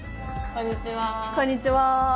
こんにちは。